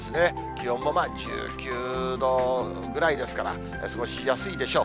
気温もまあ１９度ぐらいですから、過ごしやすいでしょう。